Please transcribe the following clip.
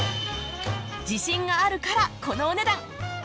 自信があるからこのお値段